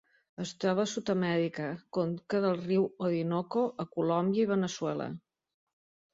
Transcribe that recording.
Es troba a Sud-amèrica: conca del riu Orinoco a Colòmbia i Veneçuela.